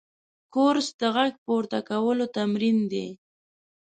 کورس د غږ پورته کولو تمرین دی.